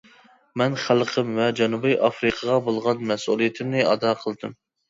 مەن خەلقىم ۋە جەنۇبىي ئافرىقىغا بولغان مەسئۇلىيىتىمنى ئادا قىلدىم.